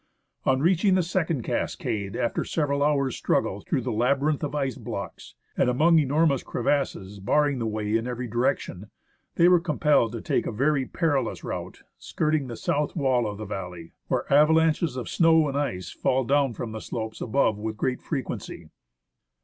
On reaching the second cascade after several hours' struggle through that labyrinth of ice blocks, and among enormous crevasses barring the way in every direction, they were compelled to take a very perilous route skirting the south wall of the valley, where avalanches of snow and ice fall down from the slopes above with great frequency.